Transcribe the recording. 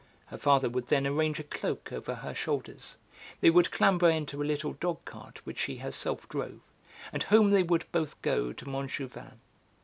Her father would then arrange a cloak over her shoulders, they would clamber into a little dog cart which she herself drove, and home they would both go to Montjouvain.